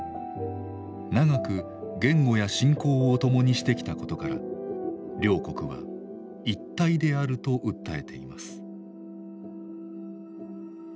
長く言語や信仰を共にしてきたことから両国は一体であると訴えています。